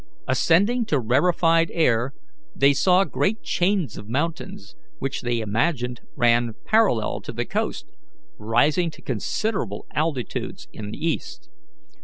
Ascending to rarefied air, they saw great chains of mountains, which they imagined ran parallel to the coast, rising to considerable altitudes in the east.